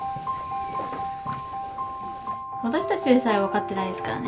私たちでさえ分かってないですからね